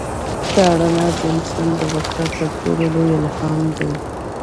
دا رڼا د انسان د بقا تر ټولو لوی الهام دی.